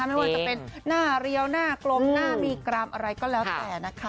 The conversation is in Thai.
ไม่ว่าจะเป็นหน้าเรียวหน้ากลมหน้ามีกรามอะไรก็แล้วแต่นะคะ